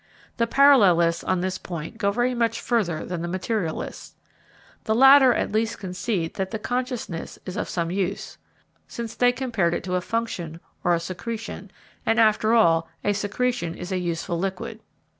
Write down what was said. The parallelists on this point go very much further than the materialists; the latter at least concede that the consciousness is of some use, since they compared it to a function or a secretion, and, after all, a secretion is a useful liquid.